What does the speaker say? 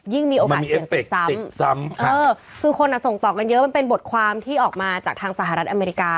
ยิ่งมีโอกาสเสียงซ้ำคือคนส่งตอบกันเยอะมันเป็นบทความที่ออกมาจากทางสหรัฐอเมริกา